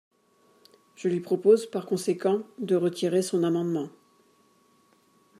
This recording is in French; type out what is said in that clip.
Je lui propose par conséquent de retirer son amendement.